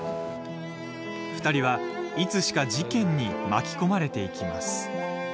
２人はいつしか事件に巻き込まれていきます。